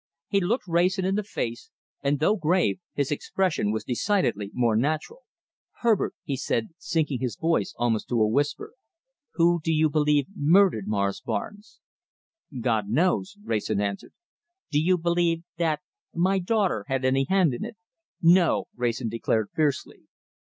He looked Wrayson in the face, and though grave, his expression was decidedly more natural. "Herbert," he asked, sinking his voice almost to a whisper, "who do you believe murdered Morris Barnes?" "God knows," Wrayson answered. "Do you believe that my daughter had any hand in it?" "No!" Wrayson declared fiercely.